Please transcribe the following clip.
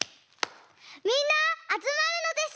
みんなあつまるのです！